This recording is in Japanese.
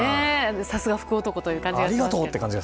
さすが福男という感じでした。